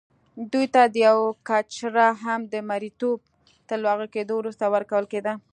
دوی ته یوه کچره هم د مریتوب تر لغوه کېدو وروسته ورکول کېده.